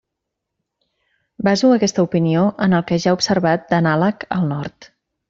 Baso aquesta opinió en el que ja he observat d'anàleg al Nord.